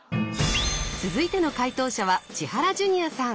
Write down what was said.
続いての解答者は千原ジュニアさん。